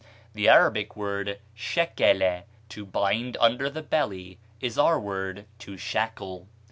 The Arabic word shakala, to bind under the belly, is our word to shackle.